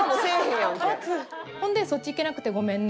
ほんで「そっち行けなくてごめんね」。